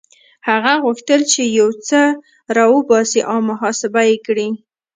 هغه غوښتل چې يو څه را وباسي او محاسبه يې کړي.